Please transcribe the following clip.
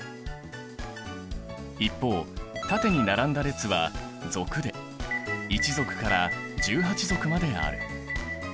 一方縦に並んだ列は族で１族から１８族まである。